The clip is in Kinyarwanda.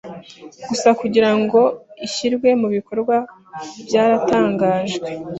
gusa kugirango ishyirwe mubikorwa byaratangajwe